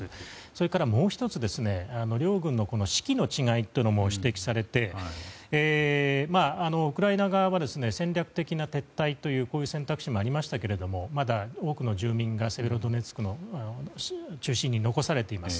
それから、もう１つ両軍の士気の違いも指摘されていてウクライナ側は戦略的な撤退というこういう選択肢もありましたけれどまだ多くの住民がセベロドネツクの中心に残されています。